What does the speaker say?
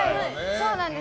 そうなんです。